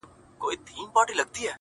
• خو دايوه پوښتنه دا کوم چي ولي ريشا ..